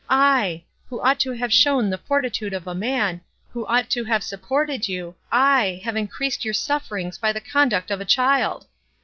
—I! who ought to have shown the fortitude of a man, who ought to have supported you, I have increased your sufferings by the conduct of a child!